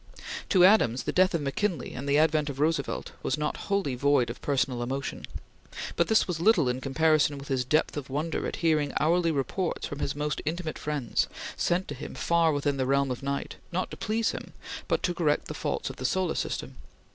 To Adams the death of McKinley and the advent of Roosevelt were not wholly void of personal emotion, but this was little in comparison with his depth of wonder at hearing hourly reports from his most intimate friends, sent to him far within the realm of night, not to please him, but to correct the faults of the solar system.